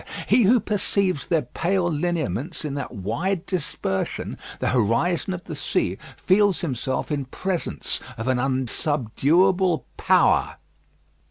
He who perceives their pale lineaments in that wide dispersion, the horizon of the sea, feels himself in presence of an unsubduable power.